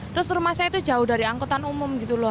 terus rumah saya itu jauh dari angkutan umum gitu loh